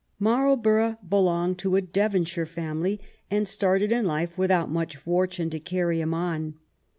Marlborough belonged to a Devonshire family, and started in life without much fortune to carry him on.